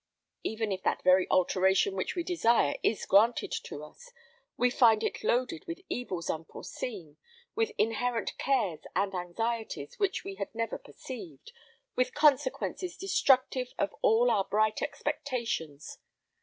Even if that very alteration which we desire is granted to us, we find it loaded with evils unforeseen, with inherent cares and anxieties which we had never perceived, with consequences destructive of all our bright expectations.